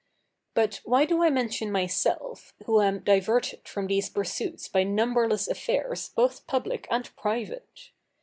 But why do I mention myself, who am diverted from these pursuits by numberless affairs both public and private?